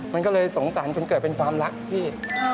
มันก็เลยสงสารจนเกิดเป็นความรักพี่